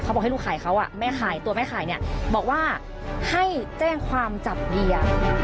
เขาบอกให้ลูกข่ายเขาไม่ขายตัวไม่ขายบอกว่าให้แจ้งความจับเรีย